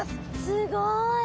すごい。